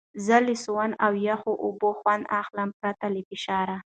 زه له سونا او یخو اوبو خوند اخلم، پرته له فشار.